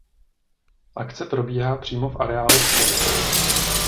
Akce probíhá přímo v areálu školy.